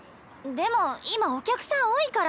でも今お客さん多いから。